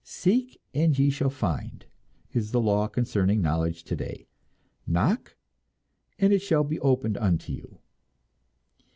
"Seek and ye shall find," is the law concerning knowledge today. "Knock, and it shall be opened unto you."